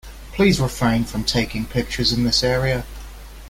Please refrain from taking pictures in this area.